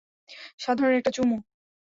সাধারণ একটা চুমু?